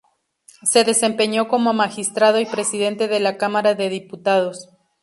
Se desempeñó como magistrado y Presidente de la Cámara de Diputados.